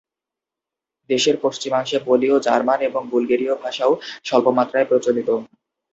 দেশের পশ্চিমাংশে পোলীয়, জার্মান এবং বুলগেরীয় ভাষাও স্বল্পমাত্রায় প্রচলিত।